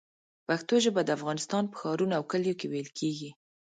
پښتو ژبه د افغانستان په ښارونو او کلیو کې ویل کېږي.